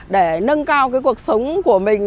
để nâng cao cuộc sống của mình